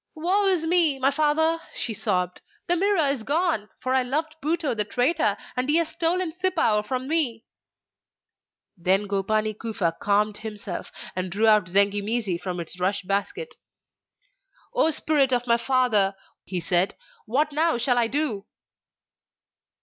'Woe is me, my father!' she sobbed. 'The Mirror is gone! For I loved Butou the traitor, and he has stolen Sipao from me!' Then Gopani Kufa calmed himself, and drew out Zengi mizi from its rush basket. 'O spirit of my father!' he said, 'what now shall I do?